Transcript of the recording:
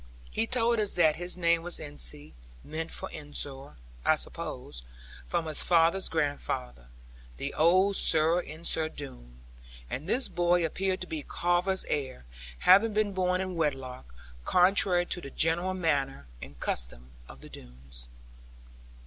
He told us that his name was 'Ensie,' meant for 'Ensor,' I suppose, from his father's grandfather, the old Sir Ensor Doone. And this boy appeared to be Carver's heir, having been born in wedlock, contrary to the general manner and custom of the Doones.